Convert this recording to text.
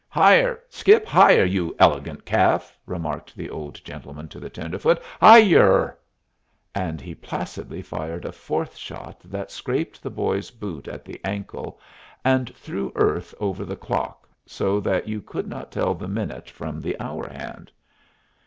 "Higher! skip higher, you elegant calf," remarked the old gentleman to the tenderfoot. "High yer!" And he placidly fired a fourth shot that scraped the boy's boot at the ankle and threw earth over the clock, so that you could not tell the minute from the hour hand.